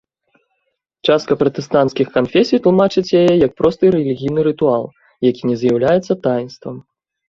Частка пратэстанцкіх канфесій тлумачыць яе як просты рэлігійны рытуал, які не з'яўляецца таінствам.